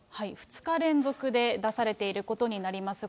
２日連続で出されていることになります。